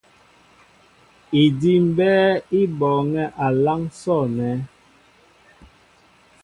Idí' mbɛ́ɛ́ í bɔɔŋɛ́ a láŋ sɔ̂nɛ́.